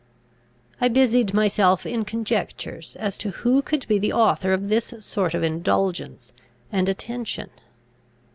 I busied myself in conjectures as to who could be the author of this sort of indulgence and attention.